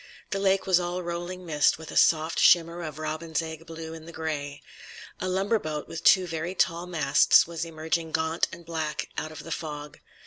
The lake was all rolling mist, with a soft shimmer of robin's egg blue in the gray. A lumber boat, with two very tall masts, was emerging gaunt and black out of the fog.